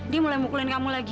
dia mulai mukulin kamu lagi